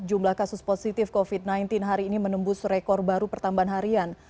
jumlah kasus positif covid sembilan belas hari ini menembus rekor baru pertambahan harian